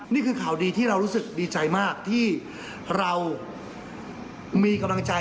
นี่คือข่าวดีที่เรารู้สึกดีใจมากที่เรามีกำลังใจ